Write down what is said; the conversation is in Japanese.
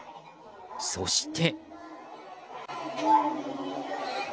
そして。